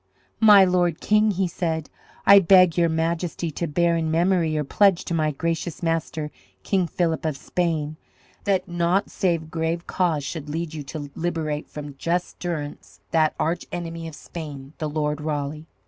"My Lord King," he said, "I beg your majesty to bear in memory your pledge to my gracious master King Philip of Spain, that naught save grave cause should lead you to liberate from just durance that arch enemy of Spain, the Lord Raleigh."